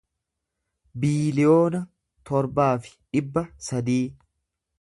biiliyoona torbaa fi dhibba sadii